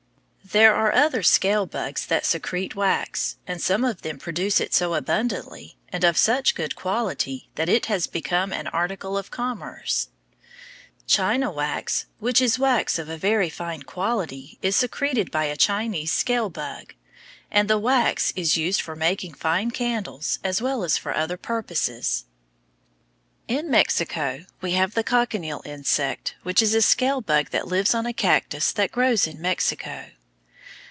There are other scale bugs that secrete wax, and some of them produce it so abundantly, and of such good quality, that it has become an article of commerce. China wax, which is wax of a very fine quality, is secreted by a Chinese scale bug, and the wax is used for making fine candles, as well as for other purposes. In Mexico we have the cochineal insect, which is a scale bug that lives on a cactus that grows in Mexico.